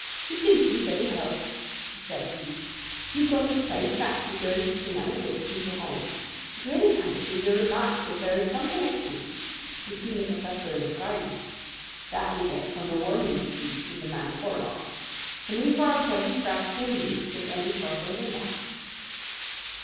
"He can keep, anyhow," said he. "You've got us side tracked with your interesting anecdotes, Mr. Holmes. What really counts is your remark that there is some connection between the professor and the crime. That you get from the warning received through the man Porlock. Can we for our present practical needs get any further than that?"